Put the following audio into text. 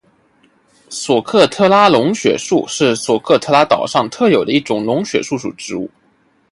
索科特拉龙血树是索科特拉岛上特有的一种龙血树属植物。